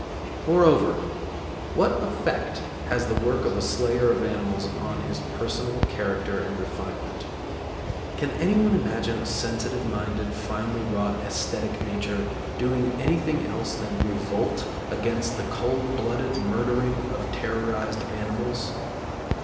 Moreover, what effect has the work of a slayer of animals upon his personal character and refinement? Can anyone imagine a sensitive minded, finely wrought æsthetic nature doing anything else than revolt against the cold blooded murdering of terrorised animals?